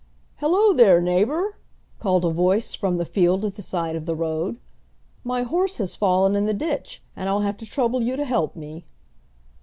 "Hello there, neighbor," called a voice from the field at the side of the road. "My horse has fallen in the ditch, and I'll have to trouble you to help me."